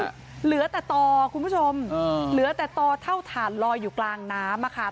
เหลือแต่ต่อคุณผู้ชมเหลือแต่ต่อเท่าฐานลอยอยู่กลางน้ำอะค่ะ